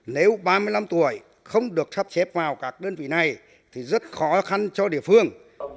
nếu ba mươi năm tuổi không được sắp xếp vào các đơn vị này thì rất khó khăn cho địa phương